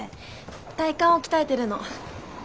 体幹を鍛えてるの。